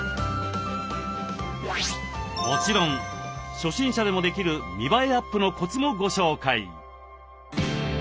もちろん初心者でもできる見栄えアップのコツもご紹介！